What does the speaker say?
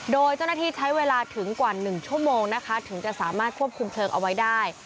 โดยเจ้าหน้าที่ใช้เวลาถึงกว่า๑ชั่วโมงนะคะถึงจะสามารถควบคุมเพลิงเอาไว้ได้